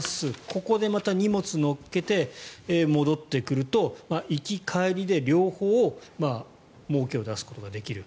ここでまた荷物を載っけて戻ってくると、行き帰りで両方もうけを出すことができる。